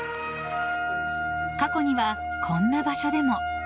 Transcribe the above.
過去には、こんな場所でも。